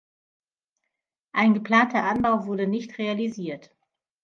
Ein geplanter Anbau wurde nicht realisiert.